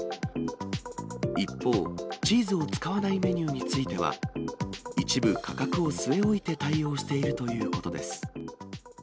一方、チーズを使わないメニューについては、一部価格を据え置いて対応しているということです。